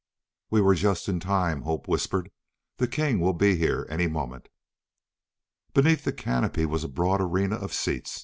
We were just in time. Hope whispered, "The king will be here any moment." Beneath the canopy was a broad arena of seats.